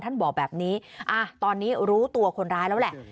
บอกแบบนี้ตอนนี้รู้ตัวคนร้ายแล้วแหละ